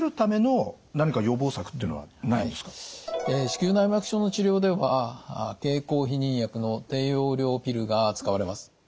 子宮内膜症の治療では経口避妊薬の低用量ピルが使われます。